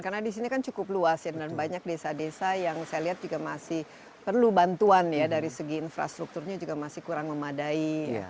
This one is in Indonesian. karena di sini kan cukup luas dan banyak desa desa yang saya lihat juga masih perlu bantuan ya dari segi infrastrukturnya juga masih kurang memadai